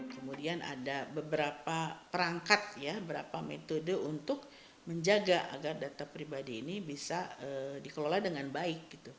kemudian ada beberapa perangkat ya beberapa metode untuk menjaga agar data pribadi ini bisa dikelola dengan baik